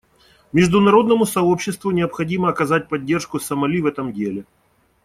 Международному сообществу необходимо оказать поддержку Сомали в этом деле.